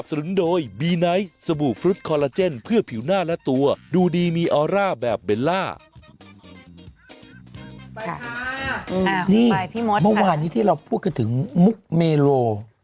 ไปค่ะคุณไปพี่มดค่ะนี่บางวันนี้ที่เราพูดกันถึงมุกเมโล